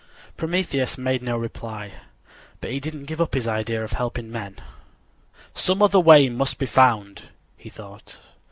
Prometheus made no reply, but he didn't give up his idea of helping men. "Some other way must be found," he thought.